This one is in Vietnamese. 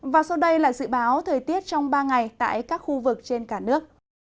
và sau đây là dự báo thời tiết trong ba ngày tại các khu vực trên cả nước